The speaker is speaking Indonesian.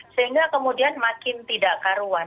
sehingga kemudian makin tidak karuan